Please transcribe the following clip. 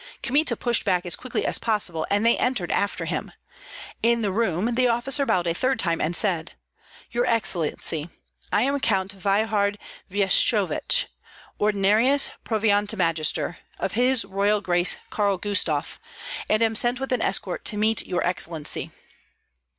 Kmita pushed back as quickly as possible, and they entered after him. In the room the officer bowed a third time and said, "Your excellency, I am Count Veyhard Vjeshchovich, ordinarius proviantmagister, of his Royal Grace Karl Gustav, and am sent with an escort to meet your excellency."